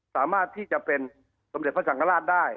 สามารถที่จะเป็นสมเจ็ดภาษณ์ของภาคล่าสได้